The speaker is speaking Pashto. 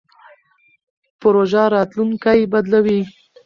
پروژه راتلونکی بدلوي.